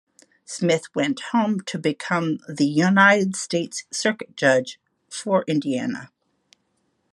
Smith went home to become the United States circuit judge for Indiana.